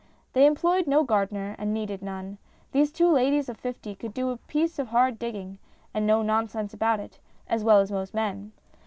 They employed no gardener, and needed none. These two ladies of fifty could do a piece of hard digging and no nonsense about it as well as most men.